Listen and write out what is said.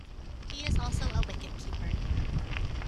He is also a wicket keeper.